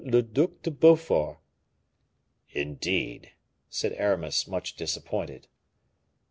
le Duc de Beaufort." "Indeed!" said Aramis, much disappointed.